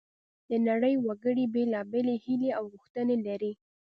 د نړۍ وګړي بیلابیلې هیلې او غوښتنې لري